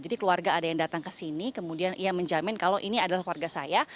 jadi keluarga ada yang datang ke sini kemudian yang menjamin kalau ini adalah keluarga saya